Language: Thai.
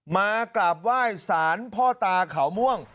มากราบไหว้สารพ่อตาเขาม่วง